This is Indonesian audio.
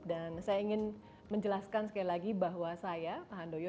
dan saya ingin menjelaskan sekali lagi bahwa saya pak handoyo